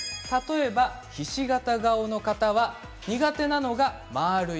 ひし形顔の方は苦手なのが丸い